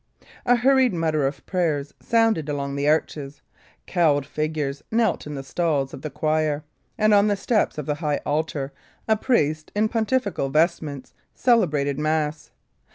A hurried mutter of prayer sounded along the arches; cowled figures knelt in the stalls of the choir, and on the steps of the high altar a priest in pontifical vestments celebrated mass.